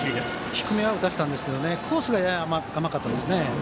低めを打たせたんですがコースがやや甘かったですね。